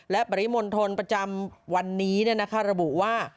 และปริมณฑลประจำวันนี้ระบุว่า